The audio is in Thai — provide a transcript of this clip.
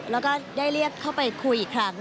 แล้วก็ได้เรียกเข้าไปคุยอีกครั้ง